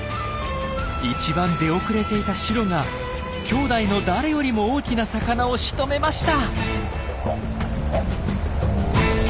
一番出遅れていたシロがきょうだいの誰よりも大きな魚をしとめました！